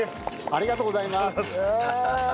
ありがとうございます。